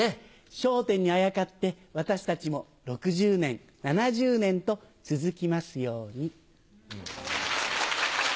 『笑点』にあやかって私たちも６０年７０年と続きますように。